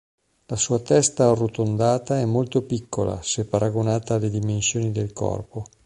La sua testa arrotondata è molto piccola se paragonata alle dimensioni del corpo.